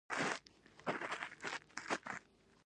دا اغیزه په ډله ییزو فعالیتونو وي.